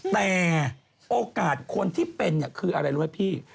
แต่โอกาสคนที่เป็นคืออะไรรู้ไหมพี่